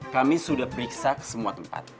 kami sudah periksa ke semua tempat